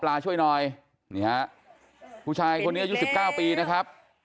ช่วยหน่อยนี่ฮะผู้ชายคนนี้อายุสิบเก้าปีนะครับ